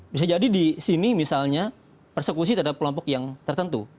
bisa jadi di sini misalnya persekusi terhadap kelompok yang tertentu